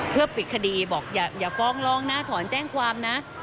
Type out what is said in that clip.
เพื่อปิดคดีบอกอย่าฟ้องร้องนะถอนแจ้งความนะ